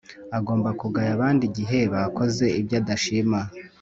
agomba kugaya abandi igihe bakoze ibyo adashima